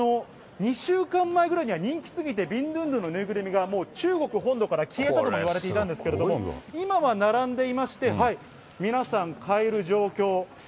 ２週間前ぐらいには人気すぎて、ビンドゥンドゥンの縫いぐるみが、中国本土から消えたともいわれてたんですけども、今は並んでいまして、皆さん、買える状況。